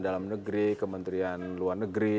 dalam negeri ke menterian luar negeri